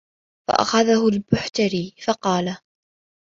فَأَخَذَهُ الْبُحْتُرِيُّ فَقَالَ